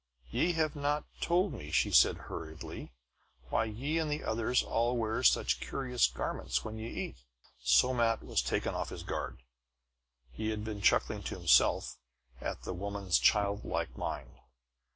"Ye have not told me," said she hurriedly, "why ye and the others all wear such curious garments when ye eat." Somat was taken off his guard. He had been chuckling to himself at the woman's childlike mind.